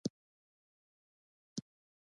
کیوبیک د میپل شربت مرکز دی.